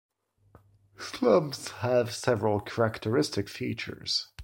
Slumps have several characteristic features.